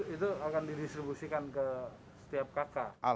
itu akan didistribusikan ke setiap kata